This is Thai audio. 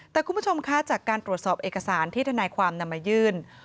แต่คุณผู้ชมคะจากการตรวจสอบเอกสารที่ทนายความนำมายื่น